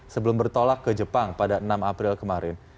sebelum bertolak ke jepang pada enam april kemarin